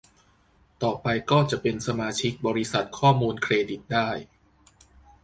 ต่อไปก็จะเป็นสมาชิกบริษัทข้อมูลเครดิตได้